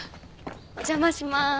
お邪魔します。